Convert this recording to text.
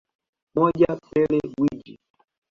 Moja Pele Gwiji